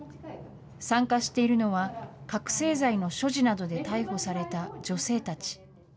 参加しているのは、覚醒剤の所持などで逮捕された女性たち。